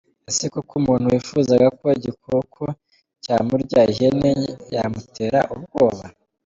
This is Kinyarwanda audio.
Ese koko umuntu wifuzaga ko igikoko cyamurya, ihene yamutera ubwoba?.